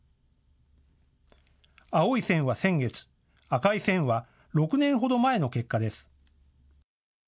青い線は先月、赤い線は６年ほど前の結果です。